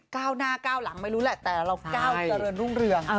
ก้าวหน้าก้าวหลังไม่รู้แหละแต่เราก้าวเจริญรุ่งเรือง